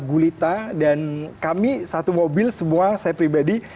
gulita dan kami satu mobil semua saya pribadi